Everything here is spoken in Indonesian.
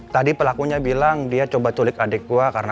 tadi pelakunya bilang dia coba culik adikku karena